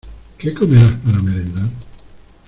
¿Qué comerás para merendar?